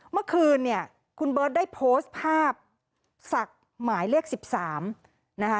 เมื่อคืนเนี่ยคุณเบิร์ตได้โพสต์ภาพศักดิ์หมายเลข๑๓นะคะ